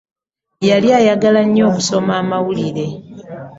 Yali ayagala nnyo okusoma amawulire.